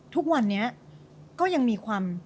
ทุกวันนี้ก็ยังมีความ